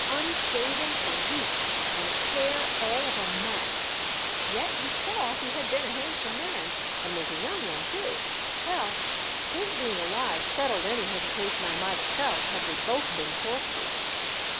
— unshaven for weeks, and his hair all of a mat ; yet you saw he had been a handsome man and was a young one too. Well, his being alive settled any hesitation I might have felt had they both been corpses.